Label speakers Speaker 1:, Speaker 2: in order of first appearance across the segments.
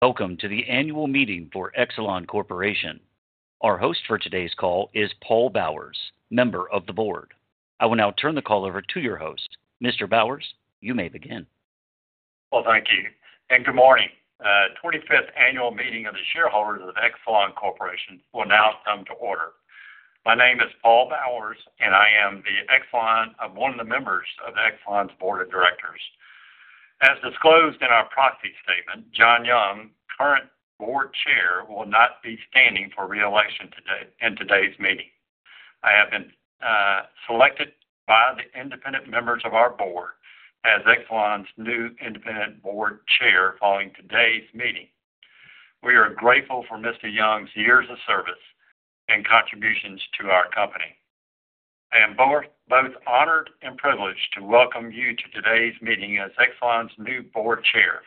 Speaker 1: Welcome to the annual meeting for Exelon Corporation. Our host for today's call is Paul Bowers, member of the board. I will now turn the call over to your host. Mr. Bowers, you may begin.
Speaker 2: Thank you, and good morning. The 25th annual meeting of the shareholders of Exelon Corporation will now come to order. My name is Paul Bowers, and I am one of the members of Exelon's board of directors. As disclosed in our proxy statement, John Young, current board chair, will not be standing for re-election in today's meeting. I have been selected by the independent members of our board as Exelon's new independent board chair following today's meeting. We are grateful for Mr. Young's years of service and contributions to our company. I am both honored and privileged to welcome you to today's meeting as Exelon's new board chair.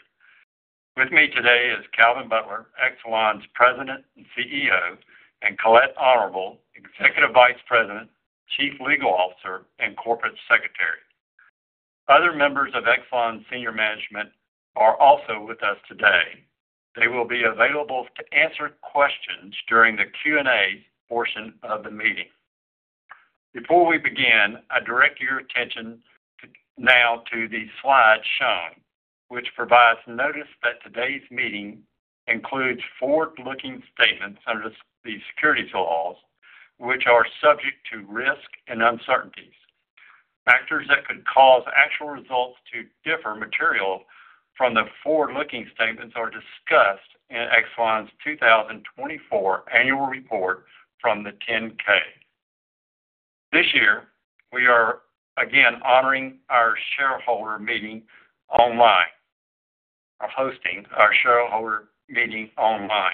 Speaker 2: With me today is Calvin Butler, Exelon's president and CEO, and Colette Honorable, executive vice president, chief legal officer, and corporate secretary. Other members of Exelon's senior management are also with us today. They will be available to answer questions during the Q&A portion of the meeting. Before we begin, I direct your attention now to the slides shown, which provide notice that today's meeting includes forward-looking statements under the securities laws, which are subject to risk and uncertainties. Factors that could cause actual results to differ materially from the forward-looking statements are discussed in Exelon's 2024 annual report from the 10-K. This year, we are again honoring our shareholder meeting online, or hosting our shareholder meeting online.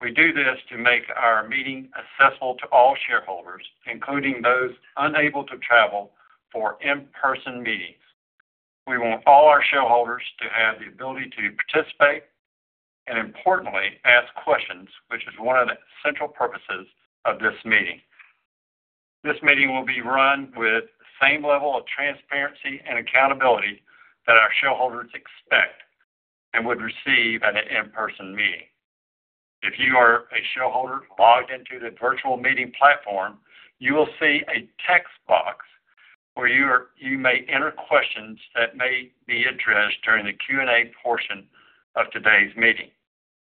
Speaker 2: We do this to make our meeting accessible to all shareholders, including those unable to travel for in-person meetings. We want all our shareholders to have the ability to participate and, importantly, ask questions, which is one of the central purposes of this meeting. This meeting will be run with the same level of transparency and accountability that our shareholders expect and would receive at an in-person meeting. If you are a shareholder logged into the virtual meeting platform, you will see a text box where you may enter questions that may be addressed during the Q&A portion of today's meeting.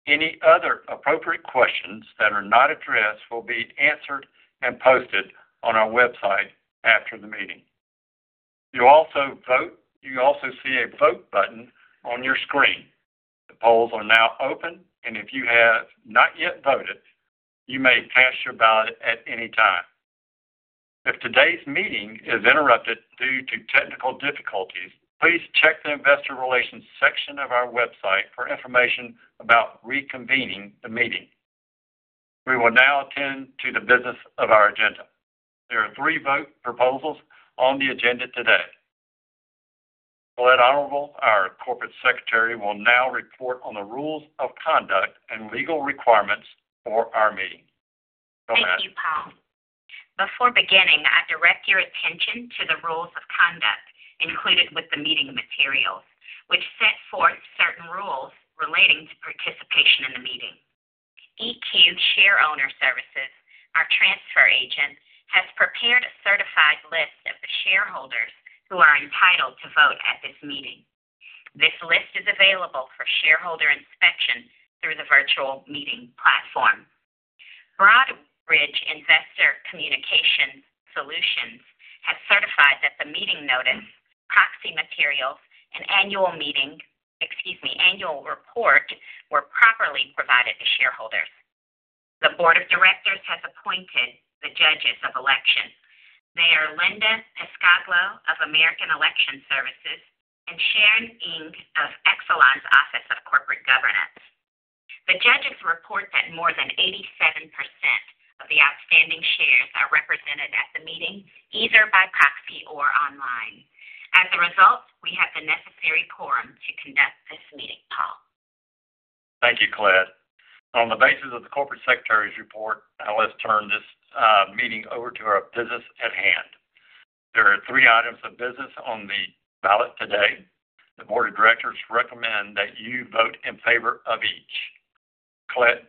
Speaker 2: Any other appropriate questions that are not addressed will be answered and posted on our website after the meeting. You also see a vote button on your screen. The polls are now open, and if you have not yet voted, you may cast your ballot at any time. If today's meeting is interrupted due to technical difficulties, please check the investor relations section of our website for information about reconvening the meeting. We will now attend to the business of our agenda. There are three vote proposals on the agenda today. Colette Honorable, our Corporate Secretary, will now report on the rules of conduct and legal requirements for our meeting.
Speaker 3: Thank you, Paul. Before beginning, I direct your attention to the rules of conduct included with the meeting materials, which set forth certain rules relating to participation in the meeting. EQ Share Owner Services, our transfer agent, has prepared a certified list of the shareholders who are entitled to vote at this meeting. This list is available for shareholder inspection through the virtual meeting platform. Broadridge Investor Communications Solutions has certified that the meeting notice, proxy materials, and annual report were properly provided to shareholders. The board of directors has appointed the judges of election. They are Linda Piscadlo of American Election Services and Sharon Ng of Exelon's Office of Corporate Governance. The judges report that more than 87% of the outstanding shares are represented at the meeting, either by proxy or online. As a result, we have the necessary quorum to conduct this meeting, Paul.
Speaker 2: Thank you, Colette. On the basis of the corporate secretary's report, I'll let's turn this meeting over to our business at hand. There are three items of business on the ballot today. The board of directors recommend that you vote in favor of each. Colette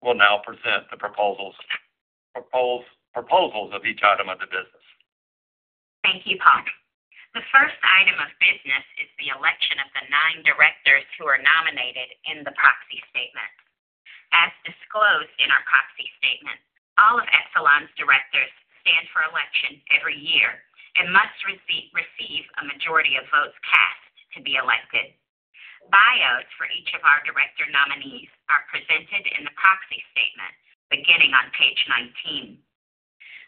Speaker 2: will now present the proposals of each item of the business.
Speaker 3: Thank you, Paul. The first item of business is the election of the nine directors who are nominated in the proxy statement. As disclosed in our proxy statement, all of Exelon's directors stand for election every year and must receive a majority of votes cast to be elected. Bios for each of our director nominees are presented in the proxy statement beginning on page 19.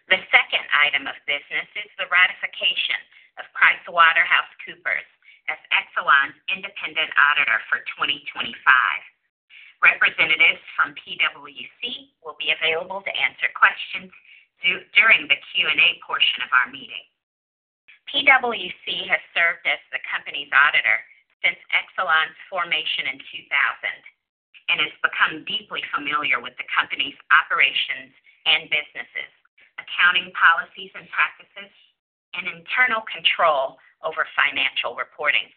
Speaker 3: The second item of business is the ratification of PricewaterhouseCoopers as Exelon's independent auditor for 2025. Representatives from PwC will be available to answer questions during the Q&A portion of our meeting. PwC has served as the company's auditor since Exelon's formation in 2000 and has become deeply familiar with the company's operations and businesses, accounting policies and practices, and internal control over financial reporting.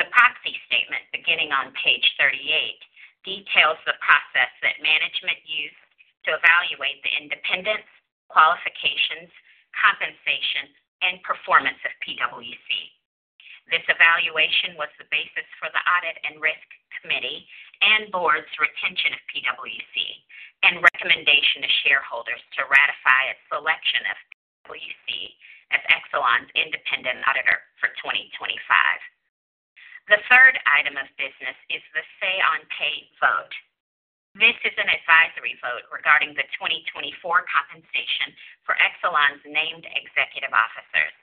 Speaker 3: The proxy statement beginning on page 38 details the process that management used to evaluate the independence, qualifications, compensation, and performance of PricewaterhouseCoopers. This evaluation was the basis for the audit and risk committee and board's retention of PricewaterhouseCoopers and recommendation to shareholders to ratify a selection of PricewaterhouseCoopers as Exelon's independent auditor for 2025. The third item of business is the say-on-pay vote. This is an advisory vote regarding the 2024 compensation for Exelon's named executive officers.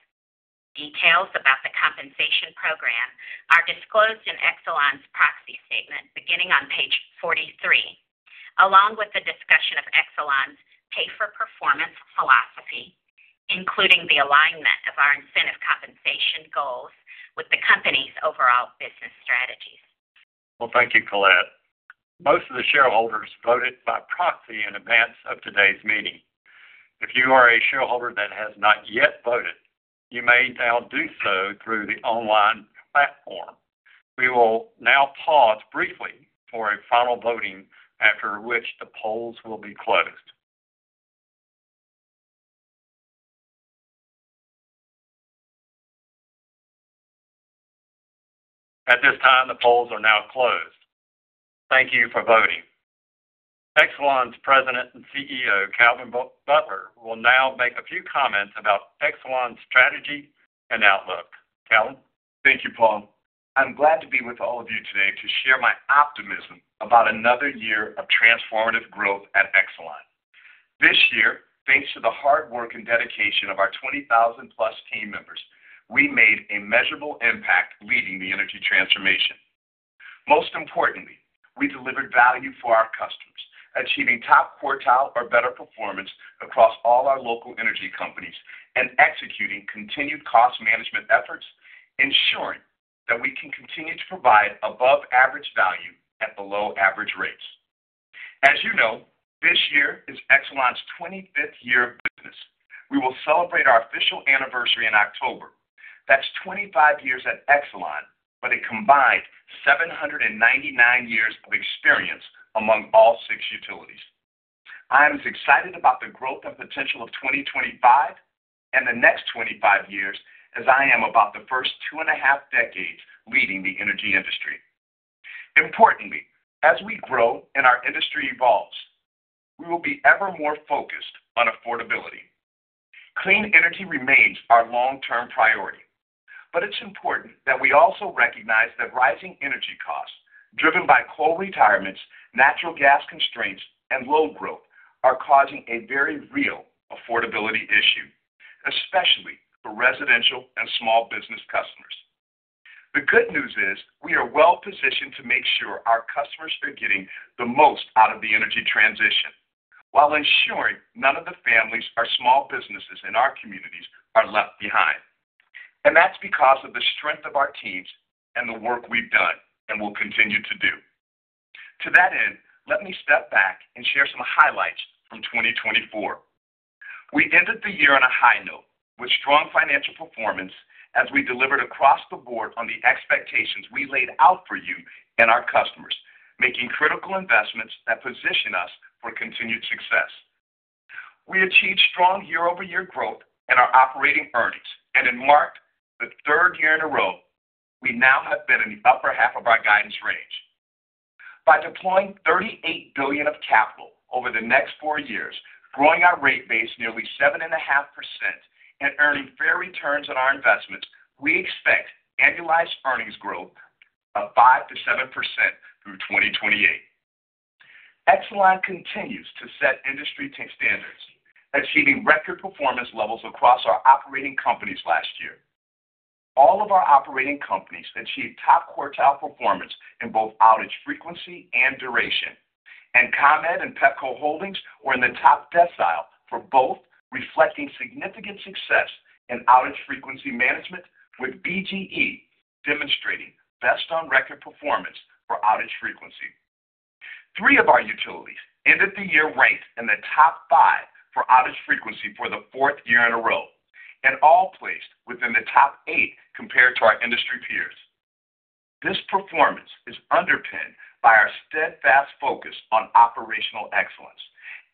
Speaker 3: Details about the compensation program are disclosed in Exelon's proxy statement beginning on page 43, along with the discussion of Exelon's pay-for-performance philosophy, including the alignment of our incentive compensation goals with the company's overall business strategies.
Speaker 2: Thank you, Colette. Most of the shareholders voted by proxy in advance of today's meeting. If you are a shareholder that has not yet voted, you may now do so through the online platform. We will now pause briefly for a final voting, after which the polls will be closed. At this time, the polls are now closed. Thank you for voting. Exelon's President and CEO, Calvin Butler, will now make a few comments about Exelon's strategy and outlook. Calvin.
Speaker 4: Thank you, Paul. I'm glad to be with all of you today to share my optimism about another year of transformative growth at Exelon. This year, thanks to the hard work and dedication of our 20,000-plus team members, we made a measurable impact leading the energy transformation. Most importantly, we delivered value for our customers, achieving top quartile or better performance across all our local energy companies and executing continued cost management efforts, ensuring that we can continue to provide above-average value at below-average rates. As you know, this year is Exelon's 25th year of business. We will celebrate our official anniversary in October. That's 25 years at Exelon, but a combined 799 years of experience among all six utilities. I am as excited about the growth and potential of 2025 and the next 25 years as I am about the first two and a half decades leading the energy industry. Importantly, as we grow and our industry evolves, we will be ever more focused on affordability. Clean energy remains our long-term priority, but it's important that we also recognize that rising energy costs, driven by coal retirements, natural gas constraints, and low growth, are causing a very real affordability issue, especially for residential and small business customers. The good news is we are well positioned to make sure our customers are getting the most out of the energy transition while ensuring none of the families or small businesses in our communities are left behind. That is because of the strength of our teams and the work we've done and will continue to do. To that end, let me step back and share some highlights from 2024. We ended the year on a high note with strong financial performance as we delivered across the board on the expectations we laid out for you and our customers, making critical investments that position us for continued success. We achieved strong year-over-year growth in our operating earnings, and in March, the third year in a row, we now have been in the upper half of our guidance range. By deploying $38 billion of capital over the next four years, growing our rate base nearly 7.5%, and earning fair returns on our investments, we expect annualized earnings growth of 5%-7% through 2028. Exelon continues to set industry standards, achieving record performance levels across our operating companies last year. All of our operating companies achieved top quartile performance in both outage frequency and duration, and ComEd and Pepco Holdings were in the top decile for both, reflecting significant success in outage frequency management, with BGE demonstrating best on record performance for outage frequency. Three of our utilities ended the year ranked in the top five for outage frequency for the fourth year in a row, and all placed within the top eight compared to our industry peers. This performance is underpinned by our steadfast focus on operational excellence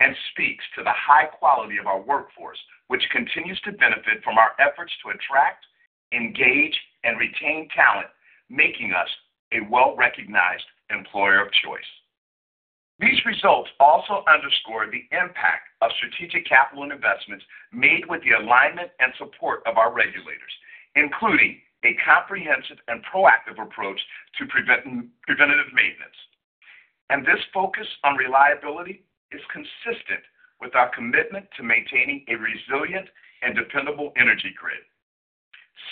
Speaker 4: and speaks to the high quality of our workforce, which continues to benefit from our efforts to attract, engage, and retain talent, making us a well-recognized employer of choice. These results also underscore the impact of strategic capital investments made with the alignment and support of our regulators, including a comprehensive and proactive approach to preventative maintenance. This focus on reliability is consistent with our commitment to maintaining a resilient and dependable energy grid.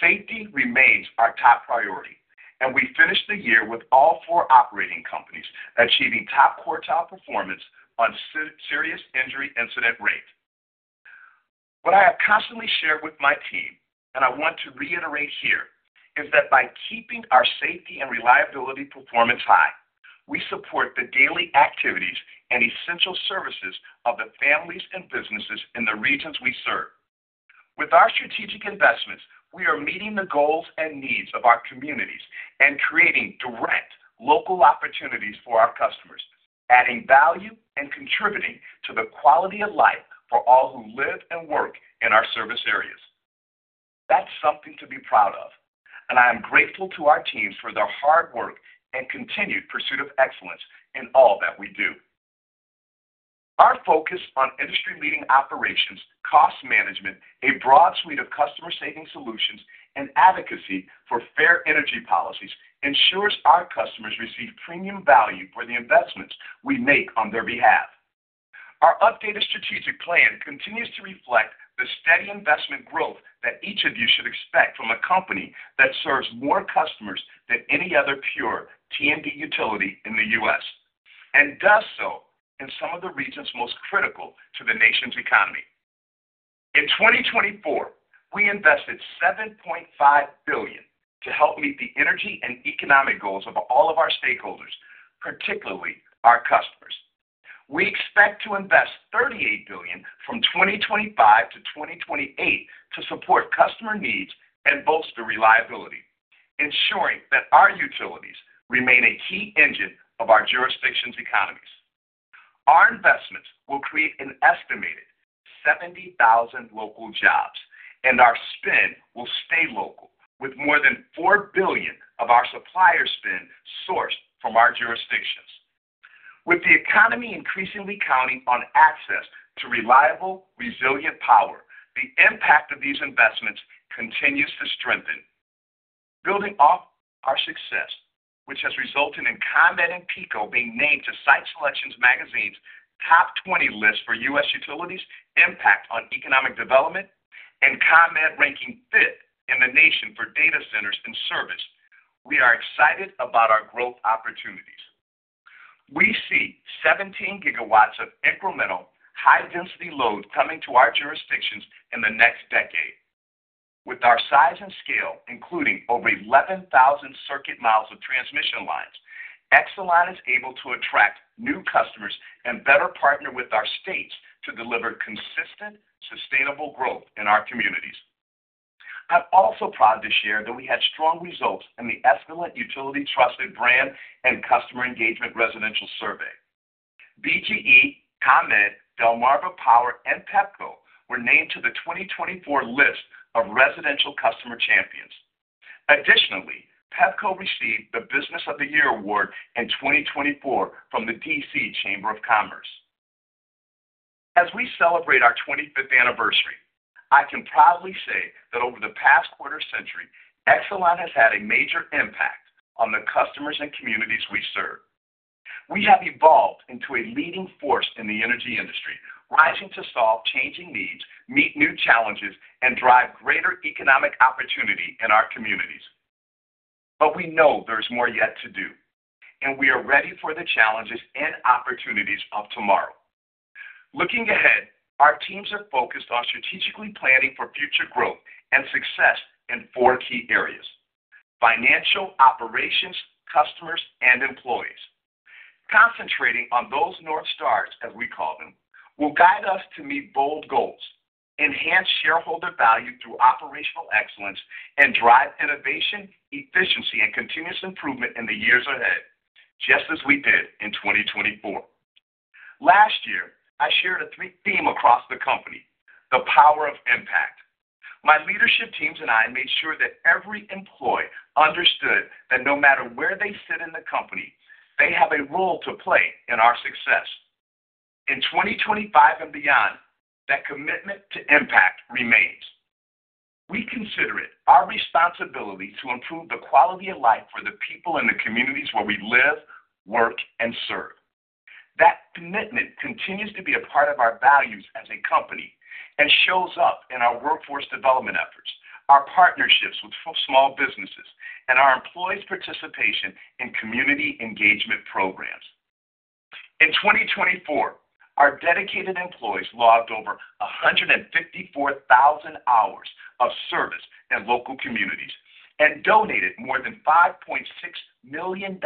Speaker 4: Safety remains our top priority, and we finished the year with all four operating companies achieving top quartile performance on serious injury incident rate. What I have constantly shared with my team, and I want to reiterate here, is that by keeping our safety and reliability performance high, we support the daily activities and essential services of the families and businesses in the regions we serve. With our strategic investments, we are meeting the goals and needs of our communities and creating direct local opportunities for our customers, adding value and contributing to the quality of life for all who live and work in our service areas. That's something to be proud of, and I am grateful to our teams for their hard work and continued pursuit of excellence in all that we do. Our focus on industry-leading operations, cost management, a broad suite of customer-saving solutions, and advocacy for fair energy policies ensures our customers receive premium value for the investments we make on their behalf. Our updated strategic plan continues to reflect the steady investment growth that each of you should expect from a company that serves more customers than any other pure T&D utility in the U.S., and does so in some of the regions most critical to the nation's economy. In 2024, we invested $7.5 billion to help meet the energy and economic goals of all of our stakeholders, particularly our customers. We expect to invest $38 billion from 2025-2028 to support customer needs and bolster reliability, ensuring that our utilities remain a key engine of our jurisdictions' economies. Our investments will create an estimated 70,000 local jobs, and our spend will stay local, with more than $4 billion of our supplier spend sourced from our jurisdictions. With the economy increasingly counting on access to reliable, resilient power, the impact of these investments continues to strengthen. Building off our success, which has resulted in ComEd and PECO being named to Site Selection magazine's top 20 list for U.S. utilities' impact on economic development and ComEd ranking fifth in the nation for data centers and service, we are excited about our growth opportunities. We see 17 GW of incremental high-density load coming to our jurisdictions in the next decade. With our size and scale, including over 11,000 circuit miles of transmission lines, Exelon is able to attract new customers and better partner with our states to deliver consistent, sustainable growth in our communities. I'm also proud to share that we had strong results in the excellent utility-trusted brand and customer engagement residential survey. BGE, ComEd, Delmarva Power, and Pepco were named to the 2024 list of residential customer champions. Additionally, Pepco received the Business of the Year award in 2024 from the DC Chamber of Commerce. As we celebrate our 25th anniversary, I can proudly say that over the past quarter century, Exelon has had a major impact on the customers and communities we serve. We have evolved into a leading force in the energy industry, rising to solve changing needs, meet new challenges, and drive greater economic opportunity in our communities. We know there is more yet to do, and we are ready for the challenges and opportunities of tomorrow. Looking ahead, our teams are focused on strategically planning for future growth and success in four key areas: financial, operations, customers, and employees. Concentrating on those north stars, as we call them, will guide us to meet bold goals, enhance shareholder value through operational excellence, and drive innovation, efficiency, and continuous improvement in the years ahead, just as we did in 2024. Last year, I shared a theme across the company: the power of impact. My leadership teams and I made sure that every employee understood that no matter where they sit in the company, they have a role to play in our success. In 2025 and beyond, that commitment to impact remains. We consider it our responsibility to improve the quality of life for the people in the communities where we live, work, and serve. That commitment continues to be a part of our values as a company and shows up in our workforce development efforts, our partnerships with small businesses, and our employees' participation in community engagement programs. In 2024, our dedicated employees logged over 154,000 hours of service in local communities and donated more than $5.6 million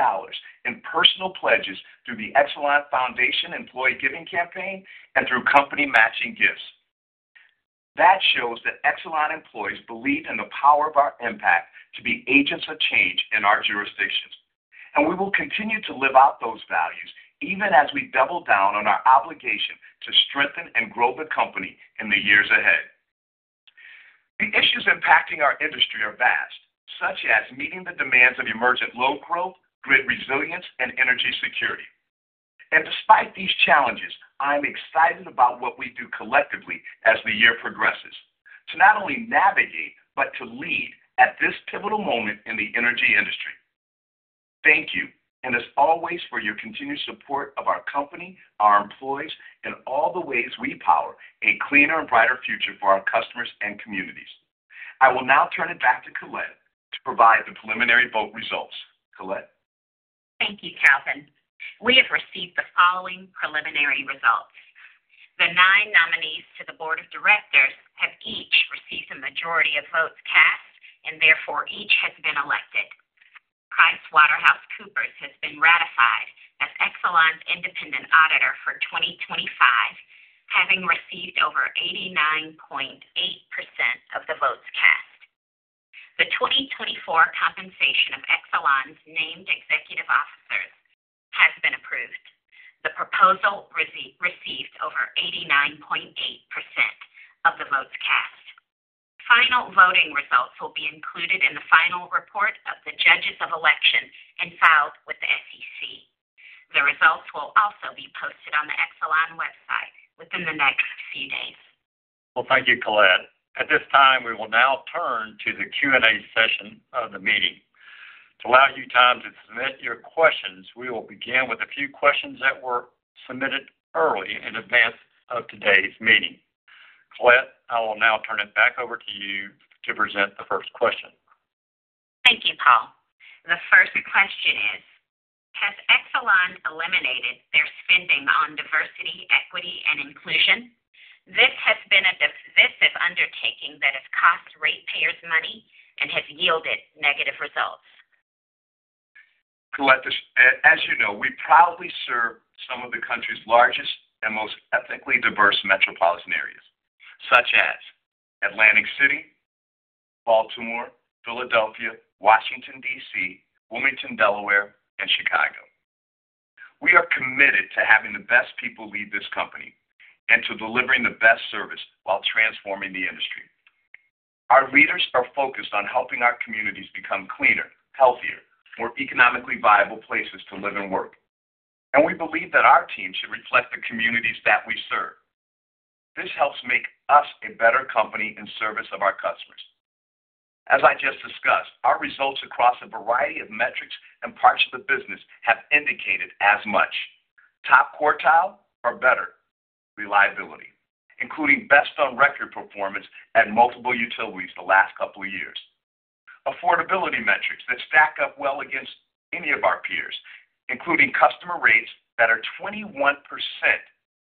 Speaker 4: in personal pledges through the Exelon Foundation employee giving campaign and through company matching gifts. That shows that Exelon employees believe in the power of our impact to be agents of change in our jurisdictions, and we will continue to live out those values even as we double down on our obligation to strengthen and grow the company in the years ahead. The issues impacting our industry are vast, such as meeting the demands of emergent low growth, grid resilience, and energy security. Despite these challenges, I am excited about what we do collectively as the year progresses, to not only navigate but to lead at this pivotal moment in the energy industry. Thank you, as always, for your continued support of our company, our employees, and all the ways we power a cleaner and brighter future for our customers and communities. I will now turn it back to Colette to provide the preliminary vote results. Colette?
Speaker 3: Thank you, Calvin. We have received the following preliminary results. The nine nominees to the board of directors have each received the majority of votes cast, and therefore each has been elected. PricewaterhouseCoopers has been ratified as Exelon's independent auditor for 2025, having received over 89.8% of the votes cast. The 2024 compensation of Exelon's named executive officers has been approved. The proposal received over 89.8% of the votes cast. Final voting results will be included in the final report of the judges of election and filed with the SEC. The results will also be posted on the Exelon website within the next few days.
Speaker 2: Thank you, Colette. At this time, we will now turn to the Q&A session of the meeting. To allow you time to submit your questions, we will begin with a few questions that were submitted early in advance of today's meeting. Colette, I will now turn it back over to you to present the first question.
Speaker 3: Thank you, Paul. The first question is, has Exelon eliminated their spending on diversity, equity, and inclusion? This has been a divisive undertaking that has cost ratepayers money and has yielded negative results.
Speaker 4: Colette, as you know, we proudly serve some of the country's largest and most ethnically diverse metropolitan areas, such as Atlantic City, Baltimore, Philadelphia, Washington, D.C., Wilmington, Delaware, and Chicago. We are committed to having the best people lead this company and to delivering the best service while transforming the industry. Our leaders are focused on helping our communities become cleaner, healthier, more economically viable places to live and work, and we believe that our team should reflect the communities that we serve. This helps make us a better company in service of our customers. As I just discussed, our results across a variety of metrics and parts of the business have indicated as much. Top quartile or better reliability, including best on record performance at multiple utilities the last couple of years. Affordability metrics that stack up well against any of our peers, including customer rates that are 21%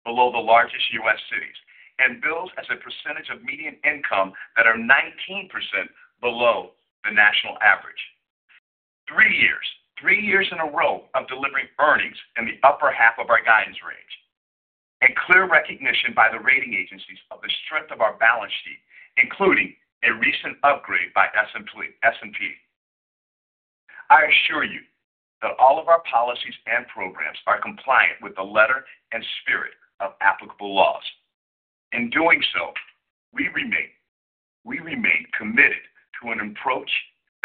Speaker 4: below the largest U.S. cities and bills as a percentage of median income that are 19% below the national average. Three years, three years in a row of delivering earnings in the upper half of our guidance range and clear recognition by the rating agencies of the strength of our balance sheet, including a recent upgrade by S&P. I assure you that all of our policies and programs are compliant with the letter and spirit of applicable laws. In doing so, we remain committed to an approach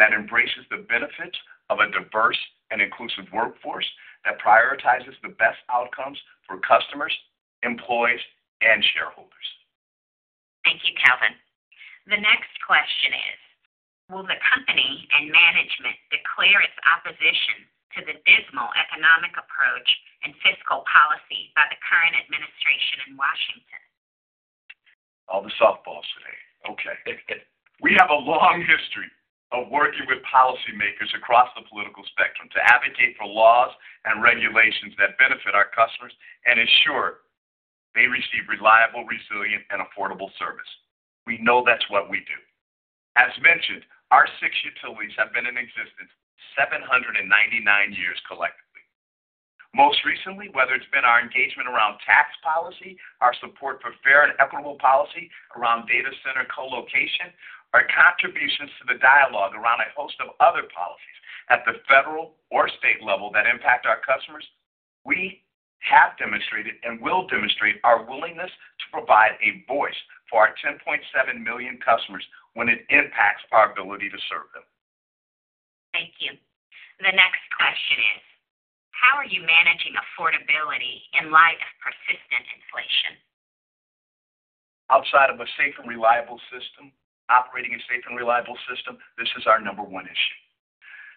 Speaker 4: that embraces the benefits of a diverse and inclusive workforce that prioritizes the best outcomes for customers, employees, and shareholders.
Speaker 3: Thank you, Calvin. The next question is, will the company and management declare its opposition to the dismal economic approach and fiscal policy by the current administration in Washington?
Speaker 2: All the softballs today. Okay.
Speaker 4: We have a long history of working with policymakers across the political spectrum to advocate for laws and regulations that benefit our customers and ensure they receive reliable, resilient, and affordable service. We know that's what we do. As mentioned, our six utilities have been in existence 799 years collectively. Most recently, whether it's been our engagement around tax policy, our support for fair and equitable policy around data center colocation, or contributions to the dialogue around a host of other policies at the federal or state level that impact our customers, we have demonstrated and will demonstrate our willingness to provide a voice for our 10.7 million customers when it impacts our ability to serve them.
Speaker 3: Thank you. The next question is, how are you managing affordability in light of persistent inflation?
Speaker 4: Outside of a safe and reliable system, operating a safe and reliable system, this is our number one issue.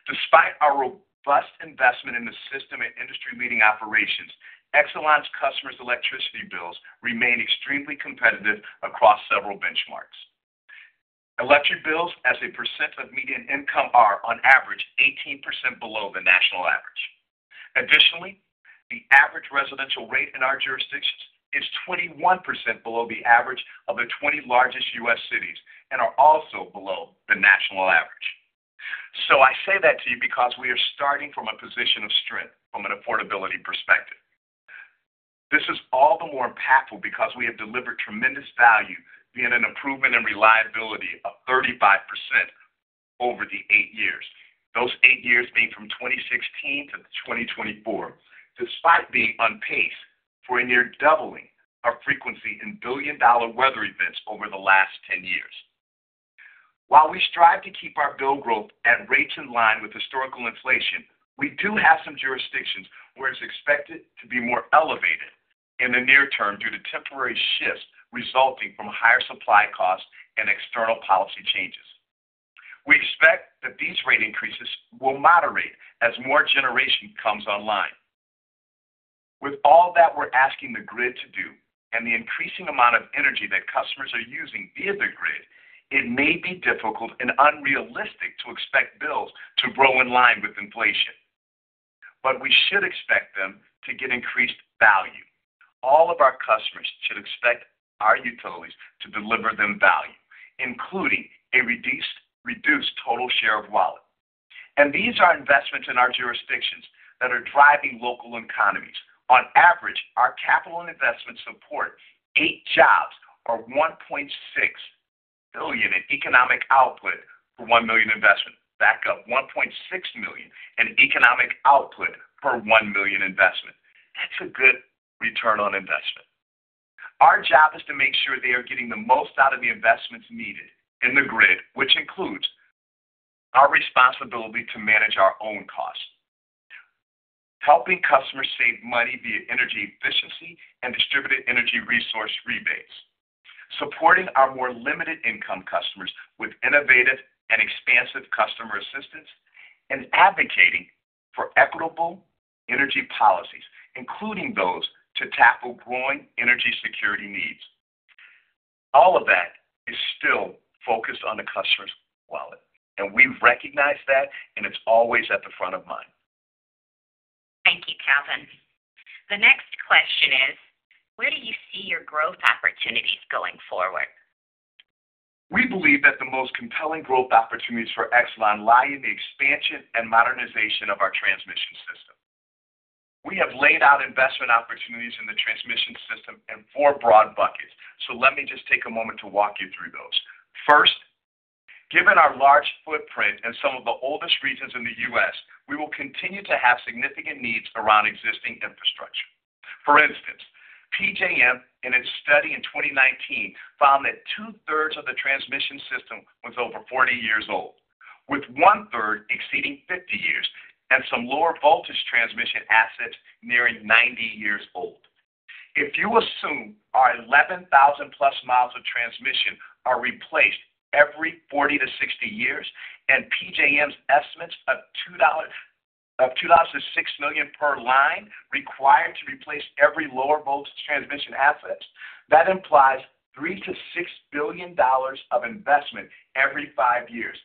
Speaker 4: Despite our robust investment in the system and industry-leading operations, Exelon's customers' electricity bills remain extremely competitive across several benchmarks. Electric bills, as a percent of median income, are on average 18% below the national average. Additionally, the average residential rate in our jurisdictions is 21% below the average of the 20 largest U.S. cities and are also below the national average. I say that to you because we are starting from a position of strength from an affordability perspective. This is all the more impactful because we have delivered tremendous value via an improvement in reliability of 35% over the eight years, those eight years being from 2016-2024, despite being on pace for a near doubling of frequency in billion-dollar weather events over the last 10 years. While we strive to keep our bill growth at rates in line with historical inflation, we do have some jurisdictions where it's expected to be more elevated in the near term due to temporary shifts resulting from higher supply costs and external policy changes. We expect that these rate increases will moderate as more generation comes online. With all that we're asking the grid to do and the increasing amount of energy that customers are using via the grid, it may be difficult and unrealistic to expect bills to grow in line with inflation, but we should expect them to get increased value. All of our customers should expect our utilities to deliver them value, including a reduced total share of wallet. These are investments in our jurisdictions that are driving local economies. On average, our capital investments support eight jobs or $1.6 billion in economic output for $1 million investment. Back up, $1.6 million in economic output for $1 million investment. That's a good return on investment. Our job is to make sure they are getting the most out of the investments needed in the grid, which includes our responsibility to manage our own costs, helping customers save money via energy efficiency and distributed energy resource rebates, supporting our more limited income customers with innovative and expansive customer assistance, and advocating for equitable energy policies, including those to tackle growing energy security needs. All of that is still focused on the customer's wallet, and we recognize that, and it's always at the front of mind.
Speaker 3: Thank you, Calvin. The next question is, where do you see your growth opportunities going forward?
Speaker 4: We believe that the most compelling growth opportunities for Exelon lie in the expansion and modernization of our transmission system. We have laid out investment opportunities in the transmission system in four broad buckets, so let me just take a moment to walk you through those. First, given our large footprint in some of the oldest regions in the U.S., we will continue to have significant needs around existing infrastructure. For instance, PJM in its study in 2019 found that two-thirds of the transmission system was over 40 years old, with one-third exceeding 50 years and some lower voltage transmission assets nearing 90 years old. If you assume our 11,000+ miles of transmission are replaced every 40years-60 years and PJM's estimates of $2 million-$6 million per line required to replace every lower voltage transmission asset, that implies $3 billion-$6 billion of investment every five years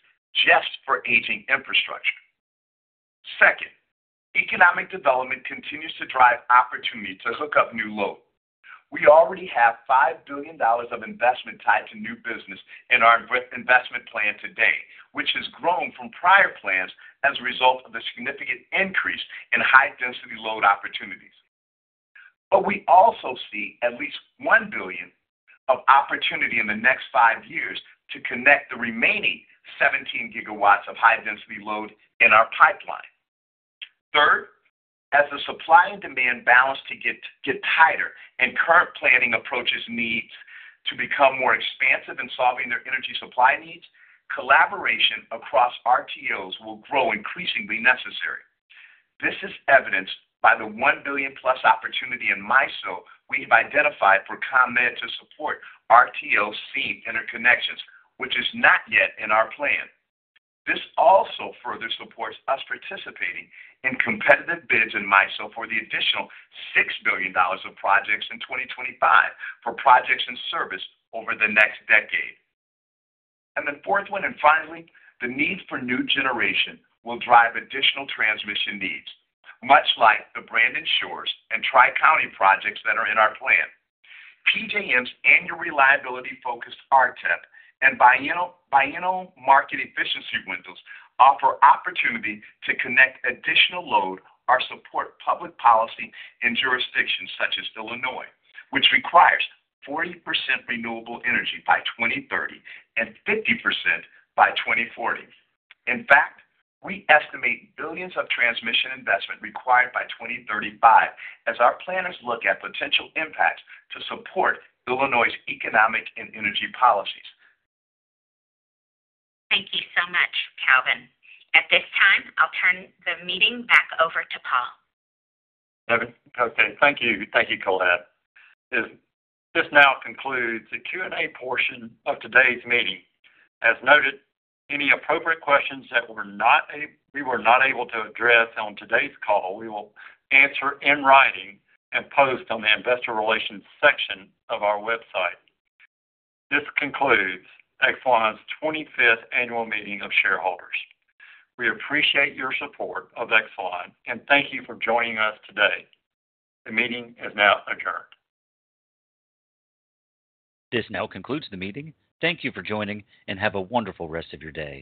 Speaker 4: just for aging infrastructure. Second, economic development continues to drive opportunity to hook up new load. We already have $5 billion of investment tied to new business in our investment plan today, which has grown from prior plans as a result of the significant increase in high-density load opportunities. We also see at least $1 billion of opportunity in the next five years to connect the remaining 17 GW of high-density load in our pipeline. Third, as the supply and demand balance tightens and current planning approaches need to become more expansive in solving their energy supply needs, collaboration across RTOS will grow increasingly necessary. This is evidenced by the $1 billion-plus opportunity in MISO we have identified for commitment to support RTO seam interconnections, which is not yet in our plan. This also further supports us participating in competitive bids in MISO for the additional $6 billion of projects in 2025 for projects and service over the next decade. The fourth one and finally, the need for new generation will drive additional transmission needs, much like the Brandon Shores and Tri-County projects that are in our plan. PJM's annual reliability-focused RTEP and biennial market efficiency windows offer opportunity to connect additional load or support public policy in jurisdictions such as Illinois, which requires 40% renewable energy by 2030 and 50% by 2040. In fact, we estimate billions of transmission investment required by 2035 as our planners look at potential impacts to support Illinois' economic and energy policies.
Speaker 3: Thank you so much, Calvin. At this time, I'll turn the meeting back over to Paul.
Speaker 2: Okay. Thank you, Colette. This now concludes the Q&A portion of today's meeting. As noted, any appropriate questions that we were not able to address on today's call, we will answer in writing and post on the investor relations section of our website. This concludes Exelon's 25th annual meeting of shareholders. We appreciate your support of Exelon, and thank you for joining us today. The meeting is now adjourned.
Speaker 1: This now concludes the meeting. Thank you for joining, and have a wonderful rest of your day.